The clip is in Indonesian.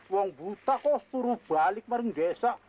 orang buta kok suruh balik ke desa